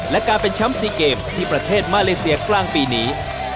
และการเป็นแชมป์๔เกมที่ประเทศมาเลเซียกลางปีนี้